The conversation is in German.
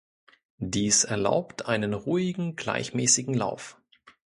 Dies erlaubt einen ruhigen gleichmäßigen Lauf.